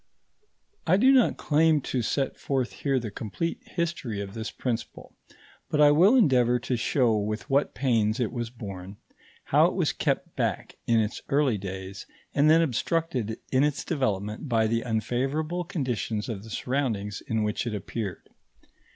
I do not claim to set forth here the complete history of this principle, but I will endeavour to show with what pains it was born, how it was kept back in its early days and then obstructed in its development by the unfavourable conditions of the surroundings in which it appeared.